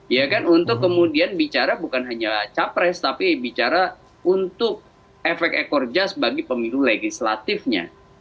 ya kan untuk kemudian bicara bukan hanya capres tapi bicara untuk efek ekor jas bagi pemilu legislatifnya